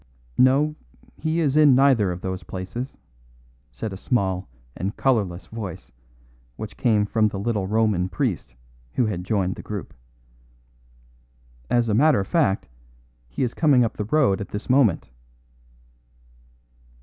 "No; he is in neither of those places," said a small and colourless voice, which came from the little Roman priest who had joined the group. "As a matter of fact, he is coming up the road at this moment."